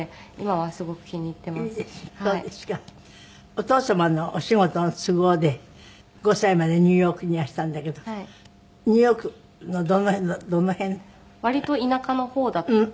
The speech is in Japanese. お父様のお仕事の都合で５歳までニューヨークにいらしたんだけどニューヨークのどの辺？割と田舎の方だったはい。